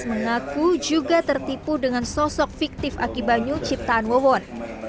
mengaku juga tertipu dengan sosok fiktif aki banyu ciptaan wawon